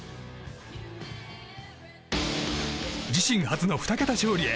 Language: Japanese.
自身初の２桁勝利へ。